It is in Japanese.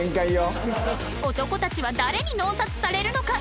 男たちは誰に悩殺されるのか？